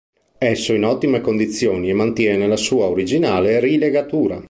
Esso è in ottime condizioni e mantiene la sua originale rilegatura.